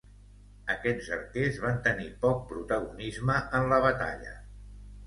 Aquests arquers van tenir poc protagonisme en la batalla.